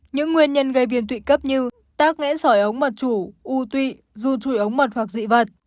những nguyên nhân gây viêm tụy cấp như tác nghẽn sỏi ống mật chủ u tụy ru trùi ống mật hoặc dị vật